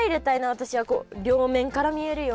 私はこう両面から見えるように。